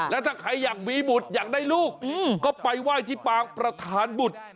แล้วถ้าใครอยากมีบุตรอยากได้ลูกก็ไปไหว้ที่ปางประธานบุตร